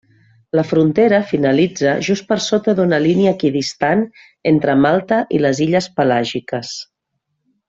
La frontera finalitza just per sota d'una línia equidistant entre Malta i les illes Pelàgiques.